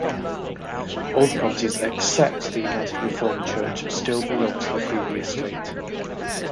All the properties, except the United Reformed Church, still belong to the Freeby estate.